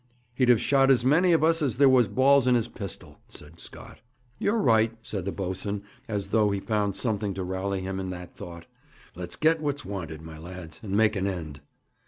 'He'd have shot as many of us as there was balls in his pistol,' said Scott. 'You're right,' said the boatswain, as though he found something to rally him in that thought. 'Let's get what's wanted, my lads, and make an end.'